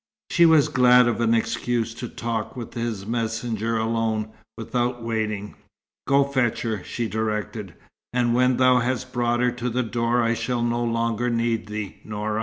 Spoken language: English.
She was glad of an excuse to talk with his messenger alone, without waiting. "Go fetch her," she directed. "And when thou hast brought her to the door I shall no longer need thee, Noura."